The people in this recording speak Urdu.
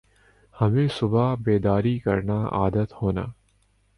ہمیں صبح بیداری کرنا عادت ہونا